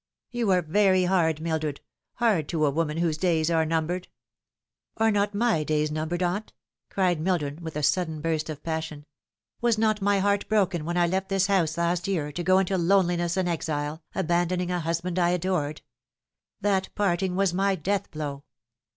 "You are very hard, Mildred, hard to a woman whose days are numbered." " Are not my days numbered, aunt ?" cried Mildred, with a sudden burst of passion. " Was not my heart broken when I left this house last year to go into loneliness and exile, abandon ing a husband I adored ? That parting was my death blow.